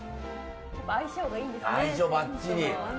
相性がいいんですね。